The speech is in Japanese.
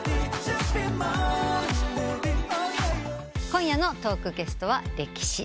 今夜のトークゲストはレキシ。